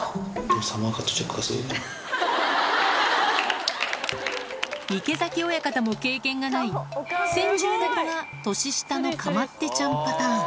サマーカット、池崎親方も経験がない、先住猫が年下のかまってちゃんパターン。